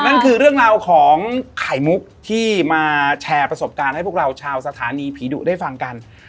นั่นคือเรื่องราวของไข่มุกที่มาแชร์ประสบการณ์ให้พวกเราชาวสถานีผีดุได้ฟังกัน